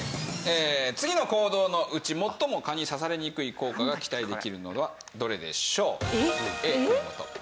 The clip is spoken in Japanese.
次の行動のうち最も蚊に刺されにくい効果が期待できるのはどれでしょう？